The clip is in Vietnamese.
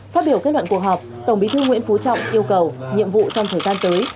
phát biểu kết luận cuộc họp tổng bí thư nguyễn phú trọng yêu cầu nhiệm vụ trong thời gian tới